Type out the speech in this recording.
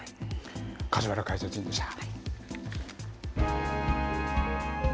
梶原解説委員でした。